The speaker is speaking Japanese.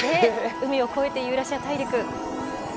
海を越えてユーラシア大陸。